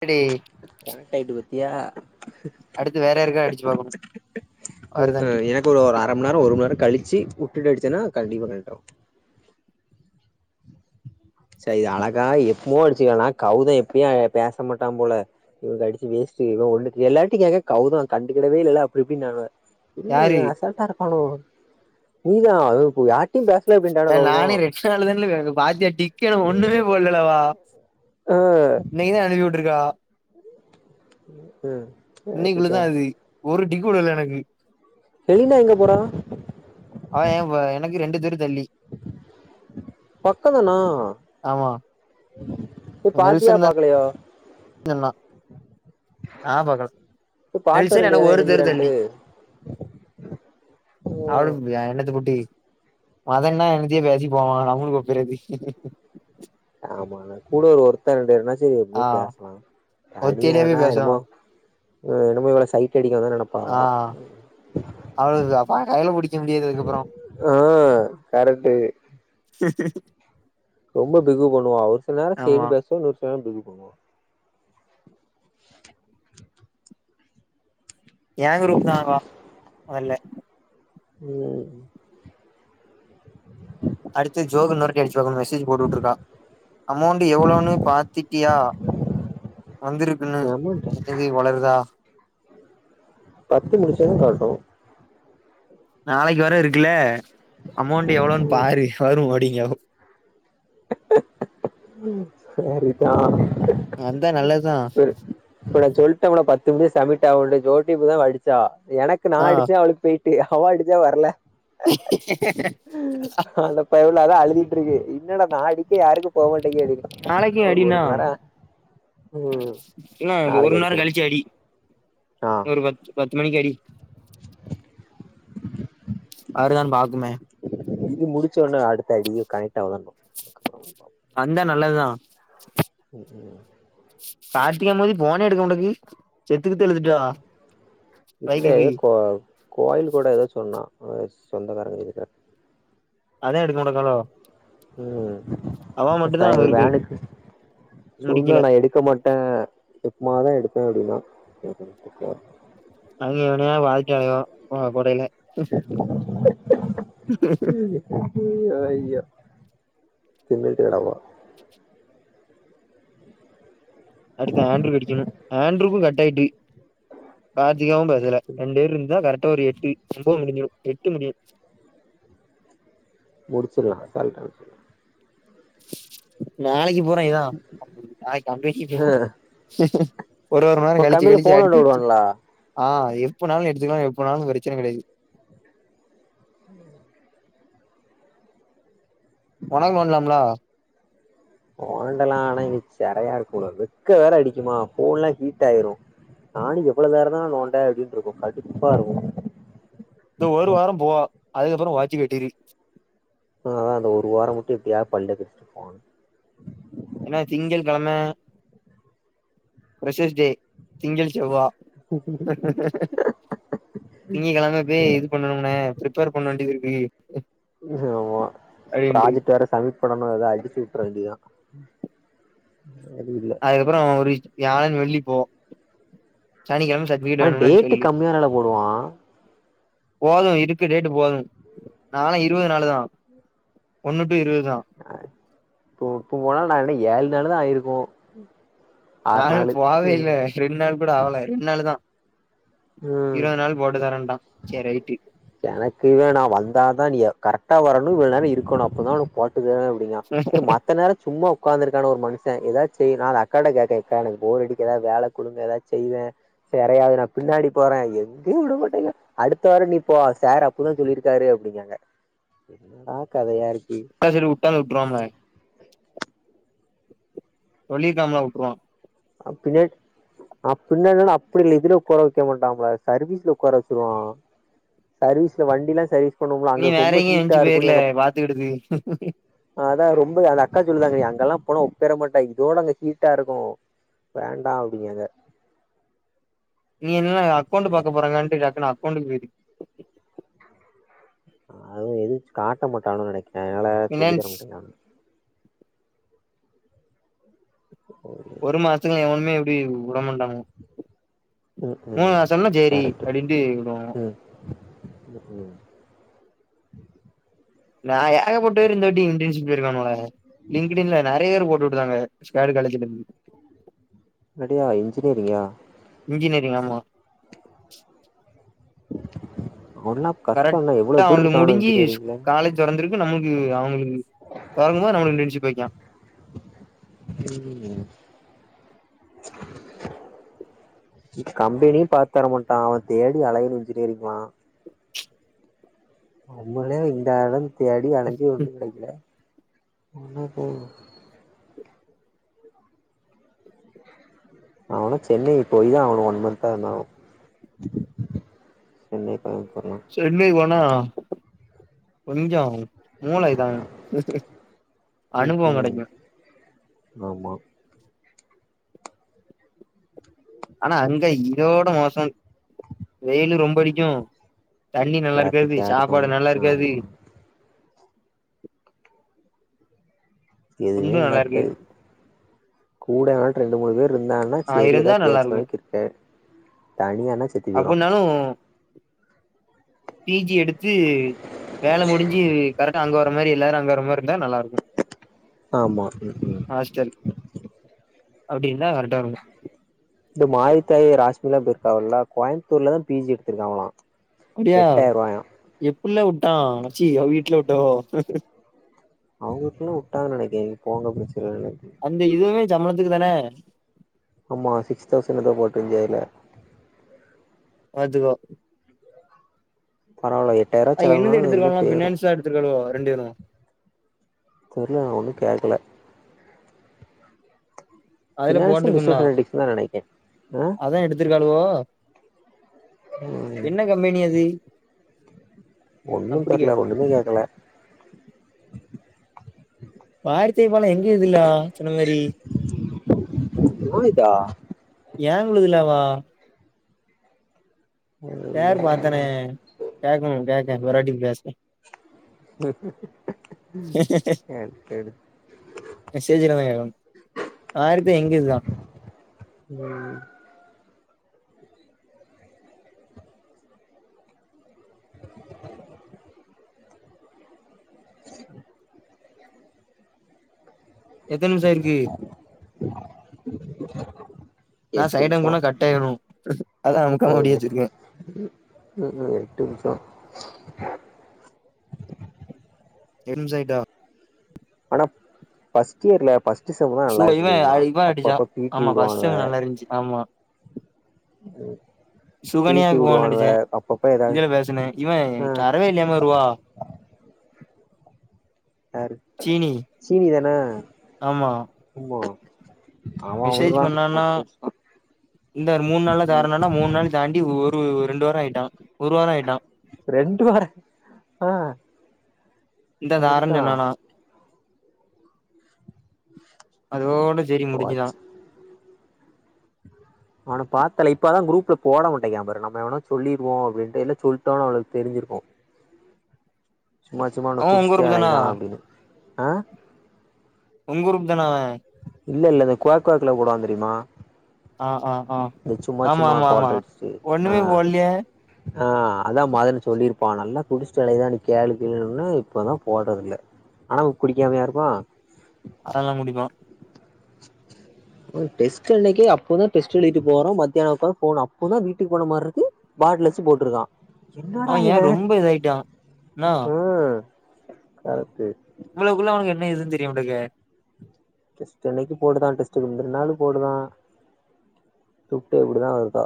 கிடிக் connect ஆயிட்டு பாத்தியா அடுத்து வேற யாருக்காது அடிச்சி பாக்கனூ வருதான்ட்டு இப்பொழு ஒரு அர மணி நேரோ ஒரு மணி நேரோ கழிச்சி உட்டுட்டு அடிச்சனா கண்டிப்பா கழட்ரு சே இது அழகா எப்பமோ அடிச்சுக்கலனா கௌதோ எப்பயு அ பேச மாட்டாம்போல இவனுக் கடிச்சி வேஸ்ட்டு இவ ஒண்ணு எல்லாருட்டயு கேக்க கவுதோ கண்டுக்கிடவே இல்லல அப்டிப்டின்னானுவே இல்ல யாரு இவ அசல்ட்டா இருப்பானோ நீதா அது போ யாரு ஏல் நானே ரெண்டு கலர்ல தான்ல கெடக்கு பாத்தியா டிக்கென ஒன்னுமே போடல்லல்ல அவா உம் நீதா‌ அனுப்பிவுட்ருக்கா உம் இன்னைக்குள்ளதா அது ஒரு டிக் கூட இல்ல எனக்கு எலினா எங்க போறா அவ ஏம்போறா எனக்கு ரெண்டு தெரு தள்ளி பக்கொ தானா ஆமா போய் பாத்தியா பாக்கலையா இல்ல நா நா பாக்கல நீ பாத்து வர நெல்சன் எனக்கு வேண்டியதானே ஒரு என்ன தெரு செய்றான்ட்டு தள்ளி ஓ [unintelligible] என்னத்த கூட்டி மதன் னா என்னத்தையோ பேசி போவா நம்மளுக்கு ஒப்பேராது ஆமாணா கூட ஒரு ஒருத்தர் ரெண்டுனா செரி எப்டியு ஆ பேசலா ஒத்தேடியா தனியானா போய் பேசுவா என்னமோ ம் என்னமோ இவள சைட் அடிக்க வந்தோனு நெனப்பா அவ அவளுக்தாம்பா கையில பிடிக்க முடியாது அதுக்கப்றோ ஆ கரெக்ட்டு ரொம்ப பிகு பண்ணுவா ஒரு சில நேரோ ஆமா சேரின் பேசுவா ஒரு சில நேரோ பிகு பண்ணுவா ஏங்கு ரூம்தா அவா மொதல்ல உம் அடுத்து ஜோகனூர் அடிச்சி பாக்கனு மெசேஜி போட்டுவுட்ருக்கா அமௌண்ட் எவ்ளோவுனு பாத்துட்டியா வந்திருக்குனு ஆமான்டா என்னது வளருதா பத்து முடிச்சது காட்டு நாளைக் வர இருக்குல்ல அமௌண்ட் எவ்ளோன் ம் பாரு வரு அடிங்க செரிதா வந்தா நல்லதுதா செரி இப்ப நா சொல்ட்டே உள பத்து நிமி சமிட்ட ஆ ஜோட்டிதா வடிச்சா எனக்கு நா ஆ அடிச்சே அவளுக்கு பெயி ட்டு அவ அடிச்சா வர்ல அந்தப்பயபுள்ள அதாஅழுதிட்டு இருக்கு என்னட நான் அடி யாருக்கு போ மாட்டேங்கேது நாளைக்கு ஒ ஒரு மண் நேர இல்ல அது நாளைக்கு ஒரு நாள் அடிச்சிரு கழிச்சு அடி ஆ ஒர் பத் பத்து மணிக் அடி [unintelligible] இது முடிச்ச வுட்னே அடுத்த அடிக் கனெக்ட் ஆகுதா பா [inaudible] வந்தா நல்லதுதா [inaudible] கார்த்திகா மோது ஃபோனே எடுக்க மடக்கு செத்து கித்து எழுதுட்டுா இத்லே கோ கோயில் கூட ஏதோ சொன்னா அ சொந்தக்காரங்க இருக்க அதா எடுக்க மாட்டக்காளோ உம் [unintelligible] அவ மட்டுந்தா இருக்கு க்கு முடிக்கல சொன்ன டா எடுக்க மாட்டே எப்பமாதா எடுப்பே அப்டினா அங்க இவனையா வாழ்க்கை அடம் கோடையில யோ தம தேட போா அடுத்து ஆண்ட்ரு அடிக்கணு ஆண்ட்ருூக்கு கட் ஆயிட்டு கார்த்திகாவும் பேசல ரெண்டு வேருந்தா இருந்தா கரெக்டா ஒரு எட்டு ஒன்ம்பது முடிஞ்சும் எட்டு முடிும் முடிச்சிட்லா அசால்ட்டா நாளைக்கு போறே இதா நாளைக் [unintelligible] ஒரு ஒரு வார இப்ப கழிச்சு கம்மில கழிச்சு ஃபோன் நோண்ட அடிச்சிறுச்சு விடுவாங்களா ஆ எப்பனாலு எடுத்துக்கலா எப்பனாலு பிரச்சனை கெடையாது [inaudible] [unintelligible] ஓண்டெலா ஆனங்கி சிறையா இருக்க கூடும் வெக்க வேற அடிக்குமா போன்ல்லாம் ஹீட் ஆயிடு நானு எவ்ளோ நேர தா நோண்ட அப்டின்ருக்கு கடுப்பா இருக்கு இந்த ஒரு வார போவா அதுக்கப்புற [unintelligible] அ ஆ அந்த ஒரு வார மட்டு எப்டியா பல்ல கடிச்சிட் போ [unintelligible] ஏன்னா திங்கள் கிழம ஃப்ரெஷர்ஷ் டே திங்கள் செவ்வா உ திங்கிக்கிழம இப்பவே இது பண்ணனும்ன ப்ரிப்பர் பண்ண வேண்டியதிருக்கு ஆமா ப்ராஜெக்ட் வேற சமிட் இப்ப நாம இத அடிச்சு விட்ற வேண்டிதா செர் இல்ல அதுக்கப்புறோ ஒரு வியாழன் வெள்ளி போ சனிக்கிழமை ச ஆனா டேட்டு கம்மியானால போடுவா போது இருக்கு டேட்டு போது நாளை இருவத் நாலு தா ஒன்னுட்டு இருவத்தா அ இப்ப இப்போ என்ன ஏழு நாள் தா ஆயிருக்கு நா ஆறு இன்னு நாளு போகவே ம் இல்ல ரெண்ட் நாள் கூட ஆவல ரெண்டு நாளு தா ம் இருவது நாள் போட்டுதாரேண்ட்டா செரி ரைட்டு எனக்குவே நா வந்தாதா நீ கரெக்டா வரணு இவ்ள நேர இருக்கணு அப்ப தா உனக்கு போட்டு தருவே அப்டின்னா செரி மத்த நேரோ சும்மா உக்காந்து இருக்கான ஒரு மனுஷ ஏதாசு செய் நானு அக்காட கேக்க கா எனக்கு போர் அடிக்க ஏதது வேல குடுங்க ஏதாச்சு செய்ற செரயாயிரு பின்னாடி போறே எங்கேயு விட மாட்டேங்க அடுத்த வாரம் நீப்போ சேர் அப்பதா சொல்லியிருக்காரு அப்டிங்காங்க என்னடா கதையா இருக்கு ஆ சரி வுட்டாலு வுட்றுவாக சொல்லி இருக்காம்ல வுட்டுருவா ஆ பின்னே ஆ பின்னா என்னாங்க அப்டி இதுல உக்கார வெக்க மாட்டாம்ல சர்வீஸ்ல உக்கார வச்சிருவா சர்வீஸ்ல வண்டி எல்லா சர்வீஸ் பண்ணுவோலா நீ அங்க வேற ரொம்ப எங்கயும் ஹீட்டா என்ச்சு இருக்குனு போயிர்ல எங்க பாத்துக்கிடுது அதா ரொம்ப அந்த அக்கா சொல்லுவாங்க நீ அங்கெல்லா போனா ஒப்பேர மாட்டா இதோட அங்க ஹீட்டா இருக்கு வேண்டா அப்டிங்கங்க நீ என்னன்னா அக்கௌண்ட் சரி பாக்க போறக்கான்னுட்டு டக்குன்னு அக்கண்டண்டுக்கு போயி அதுவு எதுவு காட்ட மாட்டானுகனு நெனைக்கே என்னால சொல்லி தர ஃபினான்ஸ் மாட்டேங்கறங் ம் ஒரு மாசத்துக்கு எவனுமே இப்டி உ வுடமாண்டங்க ம் நா சொன்னா ஜேரி கரெக்ட் அப்டின்ட்டு விடுவோ ம்ஹூ நா ஏகப்பட்ட பேரு இந்தாட்டி இன்டன்ஷிப்ல இருக்கனுவுலே லிங்கிடின்ல நெறைய பேர் போட்டு விடுத்தாங்க வேற காலேஜில இருந்து தடியா இன்ஜினியரிங்கா இன்ஜினியரிங் ஆமா ஒண்ணா கஷ்டல்ல எவ்ளவு பேர் இருக்காங்கல்லா இன்ஜினியரிங்ல தெறந்திருக்கு நம்மளுக்கு அவங்களுக்கு தொடங்கும்போ நம்மளுக்கு இன்டென்சிப் வெக்கே ம் கம்பெனியு பாத்துர மாட்டா அவ தேடி அலையனு இன்ஜினியரிங்லா நம்மளே இந்தாளவு தேடி அலைஞ்சு ஒண்ணு கெடைக்கல [unintelligible] போங்க அவனு சென்னை போய தா ஆகணு ஒன்மன்த்தா இருந்தாலு சென்னை கெளம்பி போறேன் சென்னை போனா கொஞ்சோ மூளை தா ம் அனுபவம் ம் கெடைக்கு ஆமா ஆனா அங்க இதோட மோசோ வெயிலு ரொம்ப அடிக்கு தண்ணி நல்லா இருக்காது டிராஃபிக்கா இருக்கு சாப்பாடு நல்லா இருக்காது ஆமா எதுமே நல்லா இருக்காது கூட வே ரெண்டு மூணு பேர் இருந்தாங்க எல்லா ஆ செரியதா இருந்தா நல்லா பேச்சுத் இருக்கு தொணைக்கு இருக்கே தனியான செத் அப்பனாலு பிஜி எடுத் சி வேலை முடிஞ்சு கரெக்டா அங்க வர்ற மாரி எல்லாரு அங்க வர்ர மா மாரி நல்லா இருந்தா நல்லா இருக்கு ஆமா ம் ம் ஹாஸ்டல் அப்டின்னா கரட்டா இரு இந்த மாரித்தாய் ஒரு ஹாஸ்பிடல வந்து எடுத்தாங்ல்க இல்ல கோயமுத்தூர்லதான் பி ஜி எடுத்திருக்காலா அப்டியா எப்ள்ளே வுட்டா ச்சி வீட்டுல விட்டா அவங்க வீட்டுலல்லா வுட்டாங்கன்னு நெனைக்கே போங்க அப்டின்னு சொல்ல அந்த இதுவே சம்பளத்துக்கு தானே ஆமா சிக்ஸ் தௌசண் எதோ போட்ருந்ததுல எல்லாத்துக்கு பரவால்ல எட்டாய்ரோ ஆ என்னன்னு எடுத்துக்குலானா பினான்ஸா எடுத்துக்கிடனுமோ ரெண்டு இது தெர்ல நான் ஒன்னு கேக்கல அதுலே ஃபினான்ஸு போட்ருக்குன்னா பிசினஸ் அனலிட்டிக்ஸ் தா நெனைக்கே ஆ அதா எடுத்திருக்காணுவோ ம் கம்பெனி அது ஒன்னு அப்படி தெர்ல கேக் ஒன்னுமே கேக்கல பார்த்திபனா எங்க இதுலா சொன்ன மாரி போயிதா ஏன்குழுதுல அவா இல்ல பேர் பாத்தனே கேக்கணு கேக்கே பெறவாட்டி பேசுற பேரு கேளு மெசேஜிலதா கேக்கணு பார்த்தி எங்க இதுதா ம் எத்தன் நிம்ஷோ இருக்கு நான் எட்டு நிமிஷோ சைடங்குள்ள கட் ஆய்டு அதா அமுக்காம அப்டியே போகுது வச்சிருக்கே ம் இன்னு எட்டு நிம்ஷோ எட்டு நிம்ஷோ ஆய்ட்டா ஆனா ஃபஸ்ட்டு இயர்ல ஃபஸ்ட்டு செம்தா சோ நல்லார்ந்ச்சு இவ தெரிமா அப்ப அப்ப பீ டி உடுவாங்க முன்ச்சு ஆமா இன்னோரு சுகனியாக்கு ஃபோன் அடிச்சேன் அப்பப்ப ஏதாவது இதுல பேசுனே இவன் ஆ சரவின் எம்பருவா யாரு சீனி சீனி தான ஆமா இன்னு அவன் மெசேஜ் அவுளுதா பண்ணான்னா ஒர் பேச்சுதா இந்த ஒரு மூணு நாள்ல தாரணன்னா மூணு நாள் தாண்டி ஒரு ரெண்டு வாரோ ஆய்ட்டான் ஒரு வாரோ ஆய்ட்டா ரெண்டு வார ஆ இந்தா தாரன் சரிதா சொன்னானா அதோடு சேரின் போச்சு முடிஞ்சுதா அவன பாத்தலே இப்பதா குரூப்ல போட மாட்டிங்ன்கா பாரு நம்ம எவனோ சொல்லிருவோ அப்டின்ட்டு இல்ல சொல்ட்டோன் அவனு தெரிஞ்சிருக்கு சும்மா சும்மா அவன அவ உங்க குடிஸ்ட்டே குரூப் தானா அலைறான் அப்டின்னு ஆ ஒங்க ரூம்தான அவன் இல்ல இல்ல இந்த குளக் ஓரத்துல போடுவான் தெரிமா அவ ஆ ஆ ஆ இந்த சும்மா ஆமா சும்மா ஆமா ஆமா கோட்ரு அடிஸ்ட்டு ஆ ஒண்ணுமே போடலையே ஆ அதா மதன்னு சொல்லிருப்பான் நல்லா குடிஸ்ட்டு அலைதா நீ கேளு கேளுன்னு இப்பதா போட்றதுல்ல ஆனா குடிக்காமையா இருப்பான் அதெல்லா குடிப்பான் டெஸ்ட் அன்னைக்கு அப்பதான் டெஸ்ட் எழுதிட்டு போறோ மத்தியான அப்புறோ போறான் அப்போதா வீட்டுக்கு போனமார்ருக்கு பேக்ல வச்சு போட்ருக்கான் என்னடா அவ ஏ இவன் ரொம்ப இதாயிட்டா என்னா ம் காலக்கே இவுளோக்குல்ல அவனுக்கு என்ன இதுன் தெரிய மாட்டுக்கே டெஸ்ட் அன்னைக்கு போடுதான் டெஸ்டுக்கு முந்துனாலு போடுதா துட்டு எப்டிதா வருதோ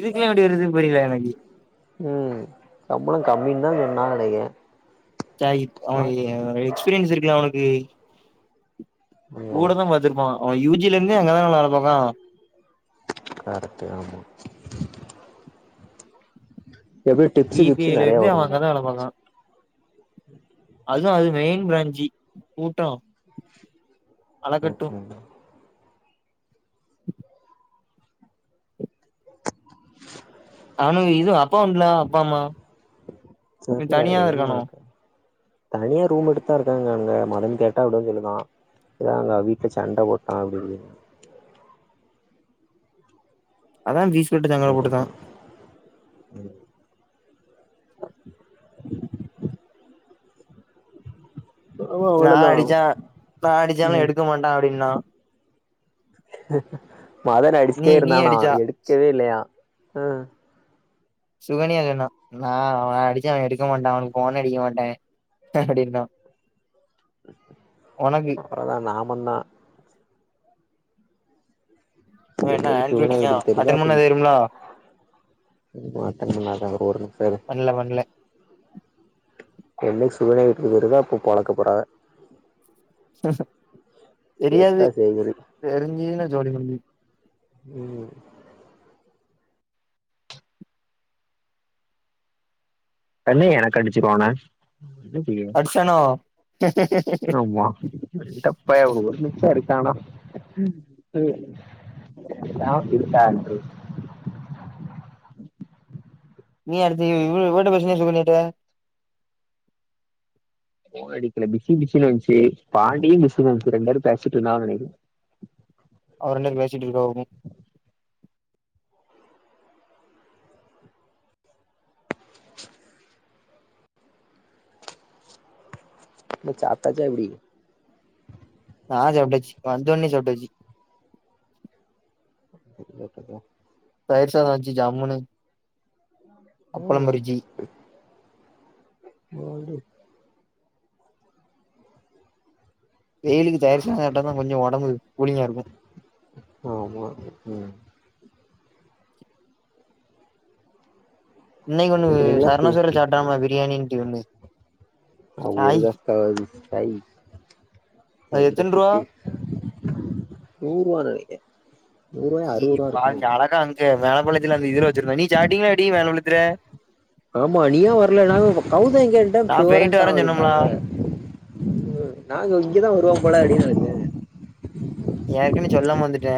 இதுக்கெல்லா எப்டி வருதுனு புரியல எனக்கு ம் சம்பளோ கம்மின்தா சொன்னாங்க நெனைக்கிறே ச்சா இ அவனுக்கு எக்ஸ்பீரியன்ஸ் இருக்குல்ல அவனுக்கு ம் கூடதா வ ச்சிருப்பா அவ யூ ஜி ல இருந்தே அங்கதா வேல பாக்கறா அவ கரெட்டு ஆமா எப்டியு டிப்ஸு வி பி ஐ கிப்ஸு ல நெறைய இருந்தே அவ வருன்னு அங்கதா நெனைக்கே வேல பாக்கா அதுவு அது மெயின் பிராஞ்சி கூட்டோ ம் அளக்கட்டு ஹும் அவுனுக்கு இது அப்பா அம் இல்ல அப்பா அம்மா இல்ல தெர்ல தனியாதா எதுவுமே இருக்கானோ நடக்க தனியா ரூம் எடுத்துதா இருக்காங்க அங்க மதன் கேட்டா அப்டிதா சொல்லுதா எதா அங்க வீட்ல சண்ட போட்டுட்டா அப்டின்னு அதா விஸ் என்ன பண்றா ம் ஆமா நா அவ்ளோதா அடிச்சா நா அடிச்சாலு ம் எடுக்க மாண்டா அப்டின்னா மதன் நீ அடிச்சுட்டே நீ இருந்தானா அடிச்சா எடுக்கவே இல்லையா ஆ சுகன்யா சொன்னா நா அவ அடிச்சா அவ எடுக்க மாண்டா அவனுக்கு ஃபோனே அடிக்க மாட்டே அப்டின்னா உனக்கு அப்பறந்தா நா பண்ணா என்ன என்னைக்கு சிவனா [unintelligible] வீட்டுக்கு தெரியுதோ அட்டன் பண்ணா தெரியும்லா ம் அட்டன் பண்ணாத ஒரு நிமிஷோ இரு பண்ல பண்ல என்னைக்கி சுகன்யா வீட்டுக்கு தெரியுதோ அப்போ பொளக்க போறாக தெரியாது செத்தா சேகிரி தெரிஞ்சுதுனா ஜோலி முடிஞ்சுது ம் உடனே எனக்கு அடிச்சுருவா ஆனா அடிச்சானோ [unintelligible] ஆமா இந்தப் பய ஒரு ஒரு நிமிஷோ எடுத்தான்னா ம் [unintelligible] நீ அடுத்து இ இவ இவகிட்ட பேசுனியா சுகன்யாட்ட ஃபோன் அடிக்கல பிசி பிசின்னு வந்துச்சு பாண்டியு பிசின்னு வந்துச்சு ரெண்டு பேரு பேசிட்ருந்தாங்கனு நெனைக்கிறே அது ரெண்டு பேசிட்ருப்பாகருக்கு ஏ சாப்ட்டாச்சா எப்டி நா சாப்டாச்சு வந்தோன்னே சாப்ட்டாச்சி இல்ல இப்பதா தயிர் சாதோ வெச்சு ஜம்முனு அப்பளம் பொரிச்சி ம் வெயிலுக்கு தயிர் சாதோ சாப்ட்டாதா கொஞ்சோ ஒடம்பு கூலிங்கா இருக்கு ஆமா ம் இன்னைக்கி ஒன்னு என்னத்து சரவணா ஸ்டோர்ல சாப்ட்டே பாரு பிரியாணிண்ட்டு ஒன்னு ஆ சாய் [unintelligible] தை அது எத்தன் ரூவா தெண்டத்துக்கு நூருவான்னு நெனைக்கே நீ பா அழகா அங்க வேலம்பாளையத்துல அந்த இதுல வச்சிருந்தா நீ சாப்ட்டீங்களா எப்டி வேலம்பாளையத்துல ஆமா நீ யேன் வரல நாங்கூட கவுதம் கேட்டா நா போயிட்டு போறன்ட்டா வரேன்னு சொன்னோம்லா அப்டின்ட்டாங்க ம் நாங்க இங்கதா வருவாம் போல அப்டின்னு நெனச் ஏற்கனவே சொல்லாம வந்துட்டே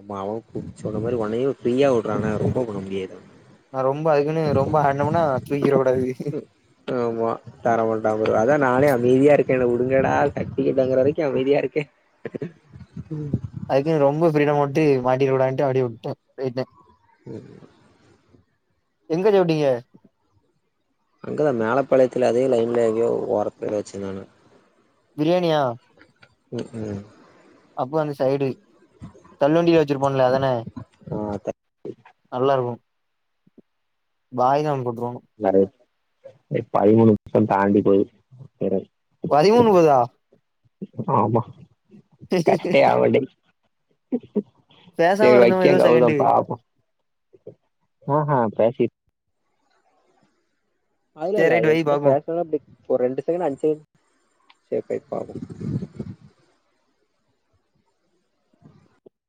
ஆமா அவனு கூப்ட்டு சொன்ன மாரி ஒன்னையு ஃப்ரியா உட்றான்னே இது நா ரொம்ப அதுக்குன்னு ரொம்ப ஆடனம்னா தூக்கிற கூடாது விசி ஆமா தர மாட்ட அப்றோ அதா நானே அமைதியா இருக்கேன் என்ன உடுங்கடா சக்திய கேக்கற வரைக்கும் அமைதியா இருக்கே ம் அதுக்குன்னு ரொம்ப ஃப்ரீடமா உட்டு மாட்டிக்க கூடாதுன்ட்டு அப்டே உட்டன் போய்ட்டன் ம் எங்கத உட்டிங்க அங்க தா மேலபாளையத்தில அதே லைன்ல எங்கயோ ஓரத்துலே வச்சினுருந்தானு பிரியாணியா ம் அப்ப அந்த சைடு தள்ளுவண்டி வச்சிருப்போன் இல்ல அதான ஆ நல்லா இருக்கும் பாய் தா வந்து குடுத்துருணும் எனோத் டே பதிமூணு நிமிஷம் தாண்டி போயி [inaudible] பதிமூணு போதா ஆமா கட்டே ஆவலடி செரி பேசாம இருந்தோமா ஏதோ வக்கறன் செகண்டு எவ்ளோன் பாப்போம் ஆஹ பேசி அதுலா சேரி இல்ல ரைட் வை ஏற்கனே பாப்போ பேசனு அப்டி ஒரு ரெண்டு செகன் அஞ்சி செரி செரி பாப்போ